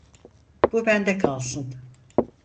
Bu bende kalsın.